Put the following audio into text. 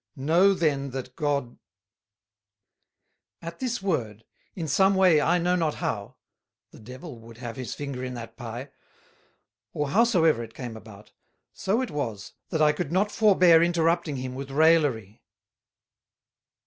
Know then that God " At this word, in some way I know not how, the Devil would have his Finger in that pie; or howsoever it came about, so it was that I could not forbear Interrupting him with raillery.